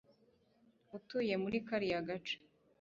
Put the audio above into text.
utuye muri kariya gace